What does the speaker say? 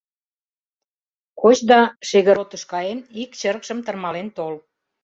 Коч да, Шегыротыш каен, ик чырыкшым тырмален тол!